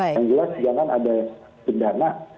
yang jelas jangan ada pendana